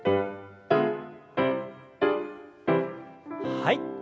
はい。